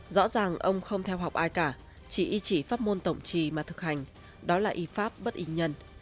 rõ ràng ông không theo học ai cả chỉ y chỉ phát ngôn tổng trì mà thực hành đó là y pháp bất y nhân